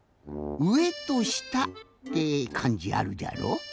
「上」と「下」ってかんじあるじゃろ。